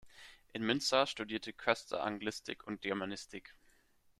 In Münster studierte Köster Anglistik und Germanistik.